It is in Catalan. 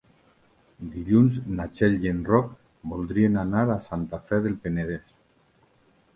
Dilluns na Txell i en Roc voldrien anar a Santa Fe del Penedès.